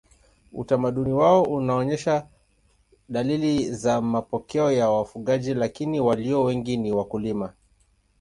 Utamaduni wao unaonyesha dalili za mapokeo ya wafugaji lakini walio wengi ni wakulima.